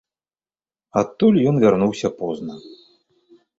Адтуль ён вярнуўся позна.